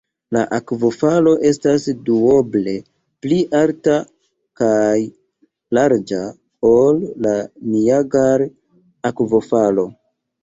La akvofalo estas duoble pli alta kaj larĝa ol la Niagar-akvofalo.